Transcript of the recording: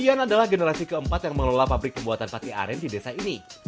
iyan adalah generasi ke empat yang mengelola pabrik pembuatan pate aren di desa ini